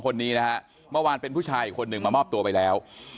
คนนี้นะฮะเมื่อวานเป็นผู้ชายอีกคนหนึ่งมามอบตัวไปแล้ว